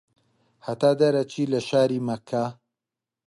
هەتا دەرئەچی لە شاری مەککە